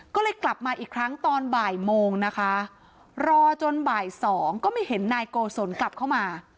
ก็เลยกลับมาอีกครั้งตอนบ่ายโมงนะคะรอจนบ่ายสองก็ไม่เห็นนายโกศลกลับเข้ามา